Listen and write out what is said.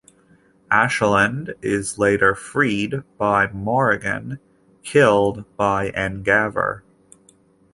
Ashalind is later freed and Morragan killed by Angaver.